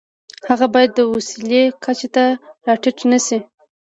هغه باید د وسیلې کچې ته را ټیټ نشي.